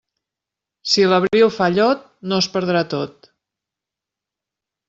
Si l'abril fa llot, no es perdrà tot.